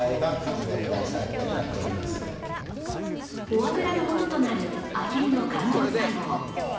フォアグラの元となるあひるの肝臓細胞。